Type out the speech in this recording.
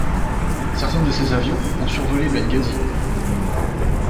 Certains de ces avions ont survolé Benghazi.